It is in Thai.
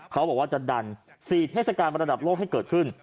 เขาบอกว่าจะดัน๔เทศกาลระดับโลกให้เกิดขึ้น